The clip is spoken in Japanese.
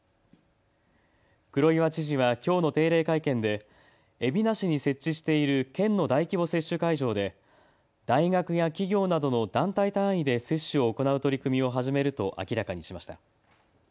黒岩知事はきょうの定例会見で海老名市に設置している県の大規模接種会場で大学や企業などの団体単位で接種を行う取り組みを始めると明らかにしました。